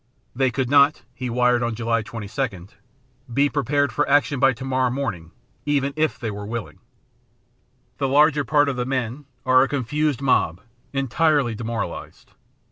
"They could not," he wired on July 22d, "be prepared for action by to morrow morning even were they willing. The larger part of the men are a confused mob, entirely demoralized."